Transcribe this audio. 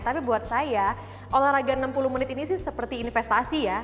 tapi buat saya olahraga enam puluh menit ini sih seperti investasi ya